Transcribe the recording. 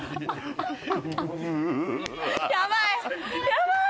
やばい！